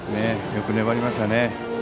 よく粘りましたね。